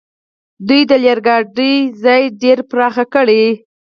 دوی د اورګاډي پټلۍ ډېرې پراخې کړې.